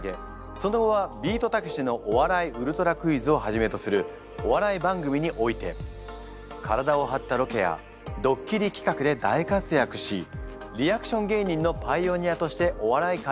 その後は「ビートたけしのお笑いウルトラクイズ！！」をはじめとするお笑い番組において体をはったロケやドッキリ企画で大活躍しリアクション芸人のパイオニアとしてお笑い界をけんいん。